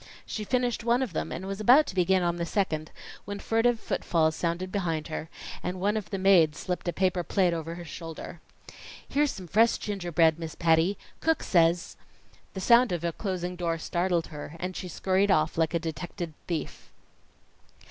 She finished one of them and was about to begin on the second, when furtive footfalls sounded behind her, and one of the maids slipped a paper plate over her shoulder. "Here's some fresh gingerbread, Miss Patty. Cook says " The sound of a closing door startled her, and she scurried off like a detected thief.